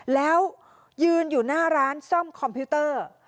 แล้วยืนอยู่หน้าร้านซ่อมคอมพิวเตอร์